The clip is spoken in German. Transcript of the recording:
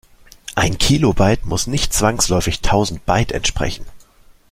Ein Kilobyte muss nicht zwangsläufig tausend Byte entsprechen.